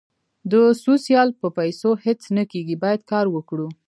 د سوسیال په پېسو هیڅ نه کېږي باید کار وکړو